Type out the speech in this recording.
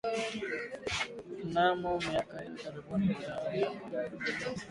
Mnamo miaka ya hivi karibuni idhaa imekua